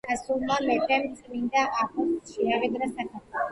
ხიდზე გასულმა მეფემ წმინდა აბოს შეავედრა საქართველო.